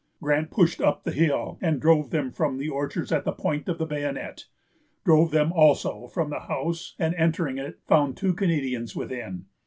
Grant pushed up the hill, and drove them from the orchards at the point of the bayonet——drove them, also, from the house, and, entering it, found two Canadians within.